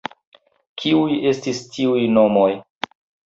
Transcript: Kiuj estis tiuj nomoj?